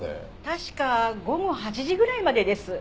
確か午後８時ぐらいまでです。